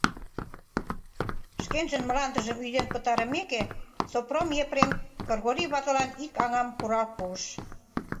Шкенжын мландыжым ӱден пытарымеке, Сопром Епрем Кргори ватылан ик аҥам курал пуыш.